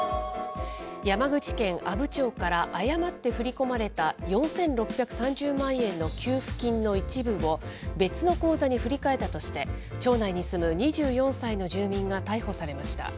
山口県阿武町から誤って振り込まれた４６３０万円の給付金の一部を別の口座に振り替えたとして、町内に住む２４歳の住民が逮捕されました。